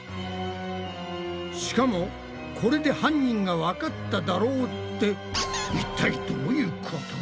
しかも「これで犯人がわかっただろう」っていったいどういうこと？だよね。